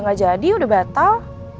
gak jadi udah batal